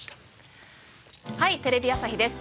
『はい！テレビ朝日です』